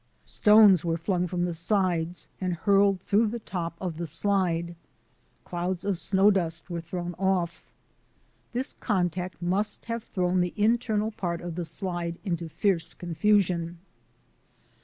Stones were flung from the sides and hurled through the top of the slide. Clouds of snow dust were thrown off. This contact must have thrown the internal part of the slide into fierce confusion.